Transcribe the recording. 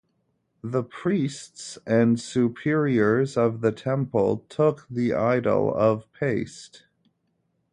The priests and superiors of the temple took the idol of paste.